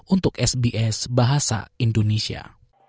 untuk sbs bahasa indonesia